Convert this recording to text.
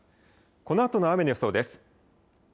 このあとの雨の予想です。